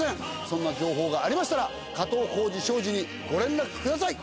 そんな情報がありましたら加藤浩次商事にご連絡ください。